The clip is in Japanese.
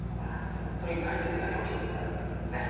本当に快適な陽気となる見込みです。